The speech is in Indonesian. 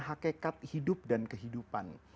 hakikat hidup dan kehidupan